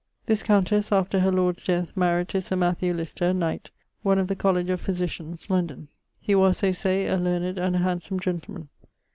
This countesse, after her lord's death, maried[LXXXIV.] to Sir Matthew Lister[LXXXV.], knight, one of the Colledge of Physitians, London. He was (they say) a learned and a handsome gentleman.